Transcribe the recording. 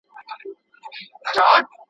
ستونی د شپېلۍ به نغمه نه لري.